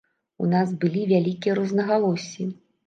У нас былі вялікія рознагалоссі.